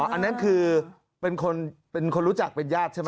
อันนั้นคือเป็นคนรู้จักเป็นญาติใช่ไหม